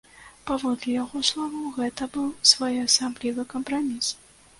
Паводле яго словаў, гэта быў своеасаблівы кампраміс.